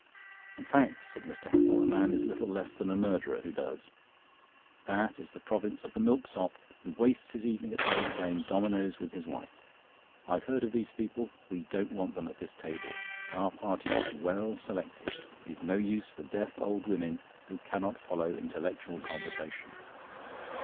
"In fact," said Mr. Huttle, "a man is little less than a murderer who does. That is the province of the milksop, who wastes his evening at home playing dominoes with his wife. I've heard of these people. We don't want them at this table. Our party is well selected. We've no use for deaf old women, who cannot follow intellectual conversation."